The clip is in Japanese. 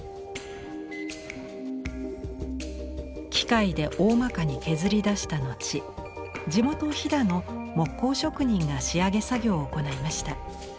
機械でおおまかに削りだした後地元飛騨の木工職人が仕上げ作業を行いました。